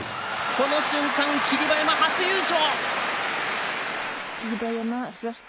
この瞬間、霧馬山初優勝。